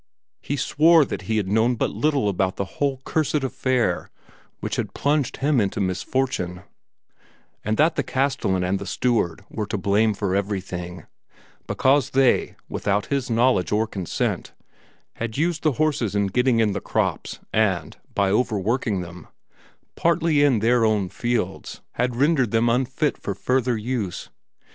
He swore that he had known but little about the whole cursed affair which had plunged him into misfortune, and that the castellan and the steward were to blame for everything, because they, without his knowledge or consent, had used the horses in getting in the crops and, by overworking them, partly in their own fields, had rendered them unfit for further use.